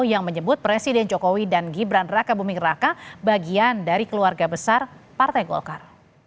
yang menyebut presiden jokowi dan gibran raka buming raka bagian dari keluarga besar partai golkar